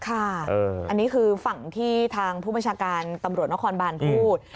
ค่ะอันนี้คือฝั่งที่ทางผู้บัญชาการตำรวจนครบานพูด